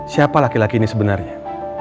siapa laki laki ini sebenarnya